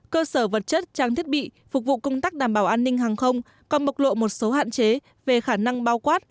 cơ sở vật chất trang thiết bị phục vụ công tác đảm bảo an ninh hàng không còn bộc lộ một số hạn chế về khả năng bao quát